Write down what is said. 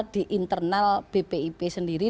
di internal bpip sendiri